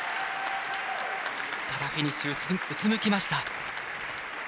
ただフィニッシュうつむきました。